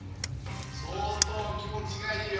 相当気持ちがいいよ。